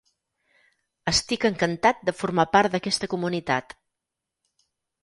Estic encantat de formar part d'aquesta comunitat.